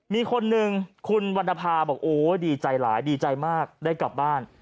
มีคนหนึ่งคุณวรรณภาบอกโอ้ยดีใจหลายดีใจมากได้กลับบ้าน